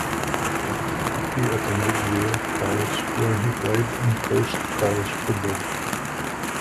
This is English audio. He attended Yale College, where he played and coached college football.